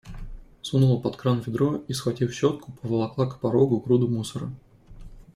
Сунула под кран ведро и, схватив щетку, поволокла к порогу груду мусора.